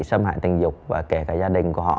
xâm hại tình dục và kể cả gia đình của họ